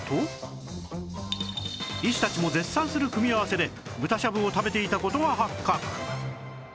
医師たちも絶賛する組み合わせで豚しゃぶを食べていた事が発覚